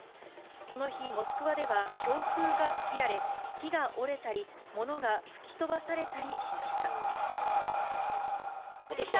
この日、モスクワでは強風が吹き荒れ、木が折れたり、物が吹き飛ばされたりしました。